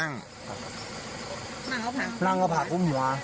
นั่งกับผักนั่งกับผักคุณหัว